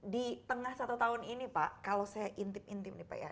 di tengah satu tahun ini pak kalau saya intim intim nih pak ya